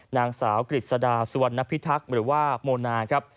นางสาวกิจทะดาสวันนพิทักหรือว่าโมน้า